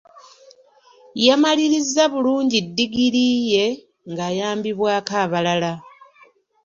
Yamalirizza bulungi ddigiri ye nga ayambibwako abalala.